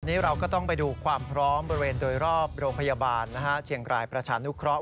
เราก็ต้องไปดูความพร้อมบริเวณโดยรอบโรงพยาบาลเชียงรายประชานุเคราะห